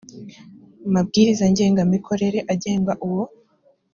mabwiriza ngengamikorere agenga uwo